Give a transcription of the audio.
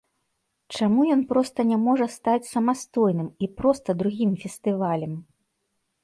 Чаму ён проста не можа стаць самастойным, і проста другім фестывалем?